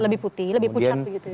lebih putih lebih pucat begitu ya